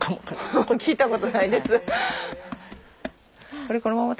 聞いたことないです。